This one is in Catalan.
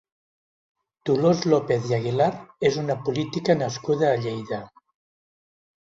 Dolors López i Aguilar és una política nascuda a Lleida.